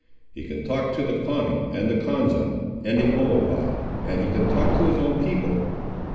He can talk to the Pawnee, and the Konza, and the Omawhaw, and he can talk to his own people."